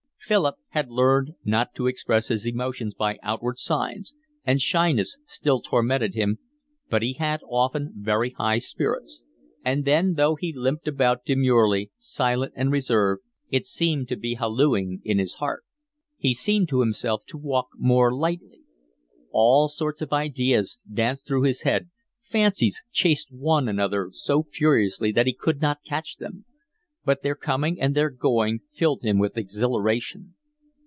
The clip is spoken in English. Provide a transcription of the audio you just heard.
Philip had learned not to express his emotions by outward signs, and shyness still tormented him, but he had often very high spirits; and then, though he limped about demurely, silent and reserved, it seemed to be hallooing in his heart. He seemed to himself to walk more lightly. All sorts of ideas danced through his head, fancies chased one another so furiously that he could not catch them; but their coming and their going filled him with exhilaration.